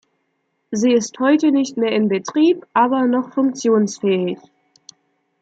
Sie ist heute nicht mehr in Betrieb, aber noch funktionsfähig.